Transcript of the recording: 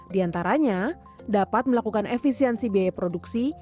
di antaranya dapat melakukan efisiensi biaya produksi